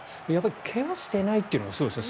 怪我をしていないのがすごいですね。